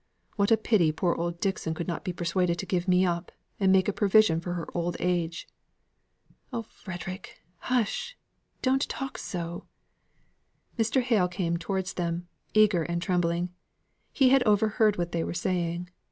What a pity poor old Dixon could not be persuaded to give me up, and make a provision for her old age!" "Oh, Frederick, hush! Don't talk so." Mr. Hale came towards them, eager and trembling. He had overheard what they were saying.